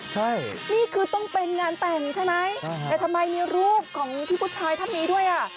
ใช่นี่คือต้องเป็นงานแต่งใช่ไหมแต่ทำไมมีรูปของพี่ผู้ชายท่านนี้ด้วยอ่ะ